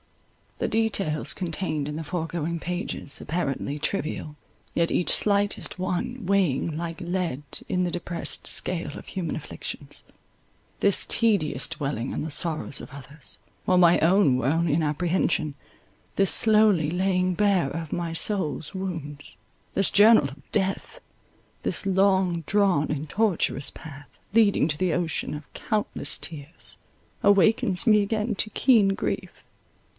The details contained in the foregoing pages, apparently trivial, yet each slightest one weighing like lead in the depressed scale of human afflictions; this tedious dwelling on the sorrows of others, while my own were only in apprehension; this slowly laying bare of my soul's wounds: this journal of death; this long drawn and tortuous path, leading to the ocean of countless tears, awakens me again to keen grief.